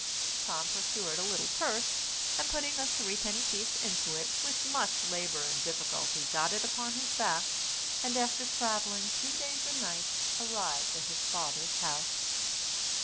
Tom procured a little purse, and putting a threepenny piece into it, with much labour and difficulty got it upon his back; and, after travelling two days and nights, arrived at his father's house.